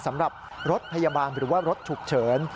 สำหรับรถพยาบาลหรือว่ารถฉุกเฉิน